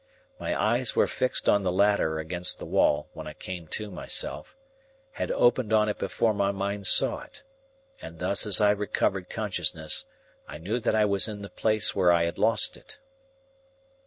My eyes were fixed on the ladder against the wall, when I came to myself,—had opened on it before my mind saw it,—and thus as I recovered consciousness, I knew that I was in the place where I had lost it.